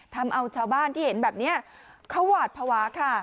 ทำเอาชาวบ้านที่เห็นแบบนี้เขาหวาดภาวะค่ะ